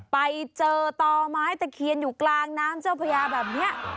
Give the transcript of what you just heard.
ไปเจอต่อไม้ตะเคียนอยู่กลางน้ำเจ้าพญาแบบนี้